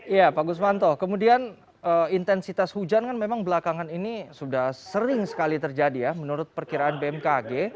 iya pak guswanto kemudian intensitas hujan kan memang belakangan ini sudah sering sekali terjadi ya menurut perkiraan bmkg